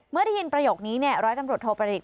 เมื่อได้ยินประโยคนี้ร้อยตำรวจโทประดิษฐ